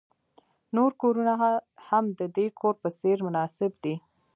نور کورونه هم د دې کور په څیر مناسب دي